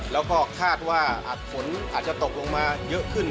แล้วก็คาดว่าฝนอาจจะตกลงมาเยอะขึ้น